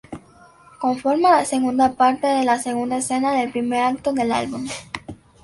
Conforma la segunda parte de la segunda escena del primer acto del álbum.